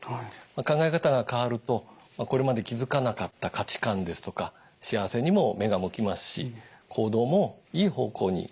考え方が変わるとこれまで気づかなかった価値観ですとか幸せにも目が向きますし行動もいい方向に変化します。